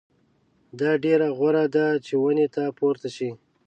دا ډېره غوره ده چې ونې ته پورته شئ.